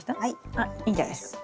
あっいいんじゃないですか。